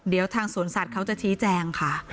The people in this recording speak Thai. เดี๋ยวทางสวนสัตว์เขาจะชี้แจงค่ะ